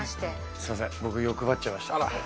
すみません、僕、欲張っちゃいました。